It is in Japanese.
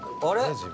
あれ？